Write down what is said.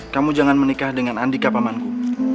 kamu jangan menikah dengan andika pamanku